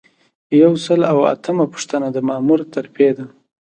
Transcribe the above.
یو سل او اتمه پوښتنه د مامور ترفیع ده.